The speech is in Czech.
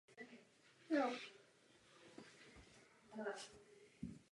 Správním městem okresu je Homer.